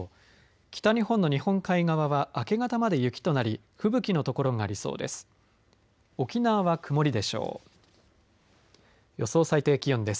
北日本の日本海側は明け方まで雪となり吹雪の所がありそうです。